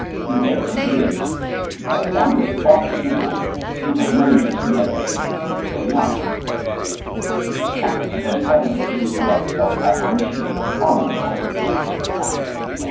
had been dead two years; Duke Alessandro, plunged in debauchery, seemed to have no interest in the elevation of the Duc d'Orleans; Catherine, then seventeen, and full of admiration for her father in law, was with him at the time; Charles V.